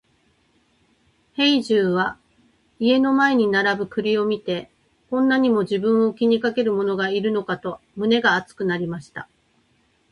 兵十は家の前に並ぶ栗を見て、こんなにも自分を気にかける者がいるのかと胸が熱くなりました。